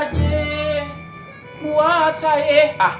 takutnya mau bocah